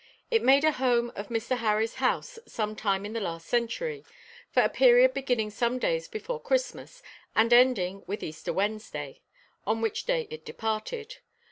It made a home of Mr. Harry's house some time in the last century, for a period beginning some days before Christmas, and ending with Easter Wednesday, on which day it departed.